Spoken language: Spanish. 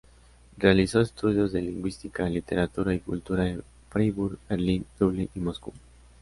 Realizó estudios de lingüística, literatura y cultura en Freiburg, Berlín, Dublín y Moscú.